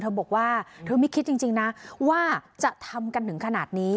บอกว่าเธอไม่คิดจริงนะว่าจะทำกันถึงขนาดนี้